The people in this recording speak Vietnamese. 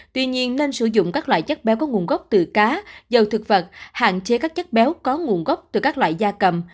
tuy nhiên nên sử dụng các loại chất béo có nguồn gốc từ cá dầu thực vật hạn chế các chất béo có nguồn gốc từ các loại da cầm